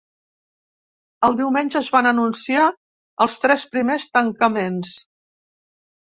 El diumenge es van anunciar els tres primers tancaments.